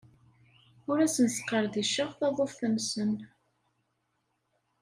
Ur asen-sqerdiceɣ taḍuft-nsen.